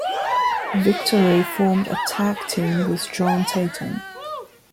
Victory formed a tag team with John Tatum.